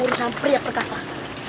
ini urusan pria perkasaan